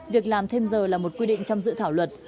việc làm thêm giờ là một quy định trong dự thảo luật